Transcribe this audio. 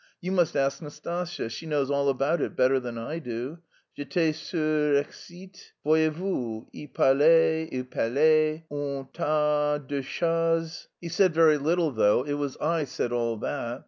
You must ask Nastasya; she knows all about it better than I do. J'étais surexcité, voyez vous. Il parlait, il parlait... un tas de chases; he said very little though, it was I said all that....